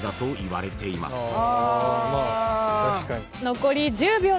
残り１０秒です。